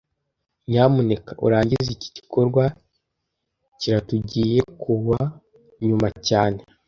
Nyamuneka urangize iki gikorwa kiratugiye kuwa nyuma cyane